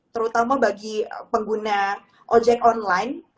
terutama bagi pengguna ojek online